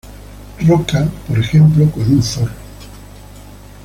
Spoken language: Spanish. Roca por ejemplo con un zorro.